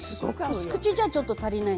薄口じゃちょっと足りない？